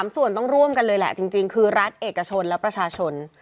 ส่วนต้องร่วมกันเลยแหละจริงคือรัฐเอกชนและประชาชน